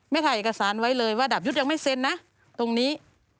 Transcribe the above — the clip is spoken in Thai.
ถ่ายเอกสารไว้เลยว่าดาบยุทธ์ยังไม่เซ็นนะตรงนี้